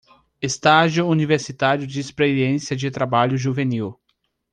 Estágio Universitário de Experiência de Trabalho Juvenil